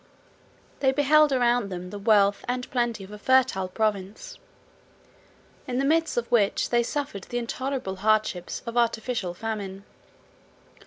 They beheld around them the wealth and plenty of a fertile province, in the midst of which they suffered the intolerable hardships of artificial famine.